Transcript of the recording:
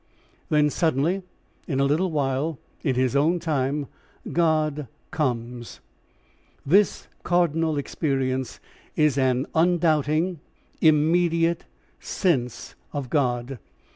Then suddenly, in a little while, in his own time, God comes. This cardinal experience is an undoubting, immediate sense of God.